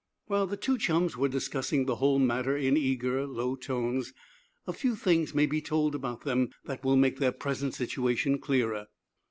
While the two chums were discussing the whole matter in eager, low tones, a few things may be told about them that will make their present situation clearer.